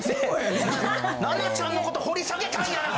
奈々ちゃんのこと掘り下げたいんやな